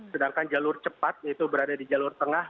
sedangkan jalur cepat itu berada di jalur tengah